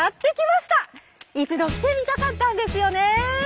一度来てみたかったんですよね。